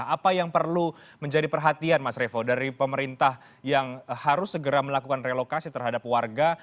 apa yang perlu menjadi perhatian mas revo dari pemerintah yang harus segera melakukan relokasi terhadap warga